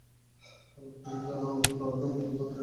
আলম হোসেন জানান, নানা রং ও ধরনের রেইনকোট বাজারে পাওয়া যায়।